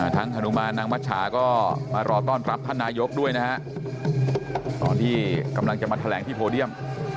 ฮานุมานนางมัชชาก็มารอต้อนรับท่านนายกด้วยนะฮะตอนที่กำลังจะมาแถลงที่โพเดียม